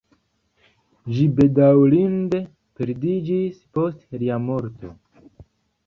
Ĝi bedaŭrinde perdiĝis post lia morto.